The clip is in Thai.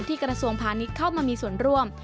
กระทรวงพาณิชย์เข้ามามีส่วนร่วม